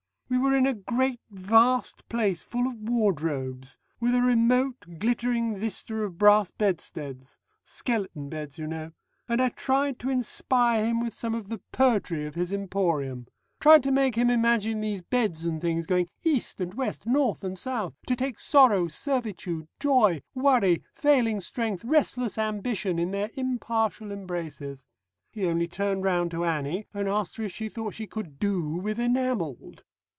We were in a great vast place full of wardrobes, with a remote glittering vista of brass bedsteads skeleton beds, you know and I tried to inspire him with some of the poetry of his emporium; tried to make him imagine these beds and things going east and west, north and south, to take sorrow, servitude, joy, worry, failing strength, restless ambition in their impartial embraces. He only turned round to Annie, and asked her if she thought she could do with 'enamelled.'